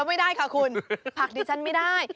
ไม่ได้ค่ะคุณผักดิฉันไม่ได้